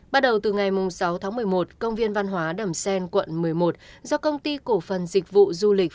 bắt đầu từ ngày sáu tháng một mươi một công viên văn hóa đầm xen quận một mươi một do công ty cổ phần dịch vụ du lịch